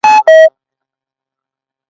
ایا غاړه مو شخیږي؟